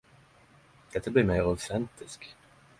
Dette blir meir autentisk.